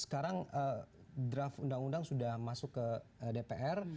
sekarang draft undang undang sudah masuk ke dpr